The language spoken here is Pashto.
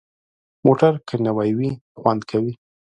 موټر که نوي وي، خوند کوي.